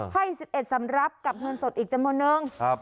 ให้๑๑สำรับกับเงินสดอีกจำนวนนึง